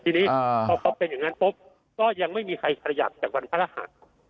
ทีนี้พอเขาเป็นอย่างนั้นปุ๊บก็ยังไม่มีใครขยับจากวันพระรหัส